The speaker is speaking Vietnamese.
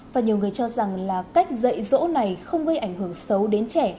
và nhiều người cho rằng là cách dạy dỗ này không gây ảnh hưởng xấu đến trẻ